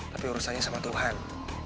tapi urusannya sama tuhan